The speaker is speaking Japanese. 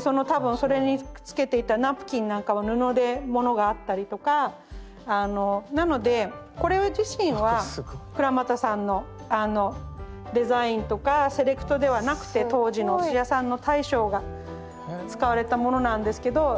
その多分それにくっつけていたナプキンなんかは布でものがあったりとかあのなのでこれ自身は倉俣さんのデザインとかセレクトではなくて当時のお寿司屋さんの大将が使われたものなんですけど